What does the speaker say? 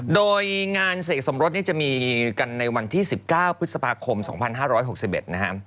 โดยงานเสกสมรสนี่จะมีกันในวันที่๑๙พฤษภาคม๒๕๖๑นะฮะ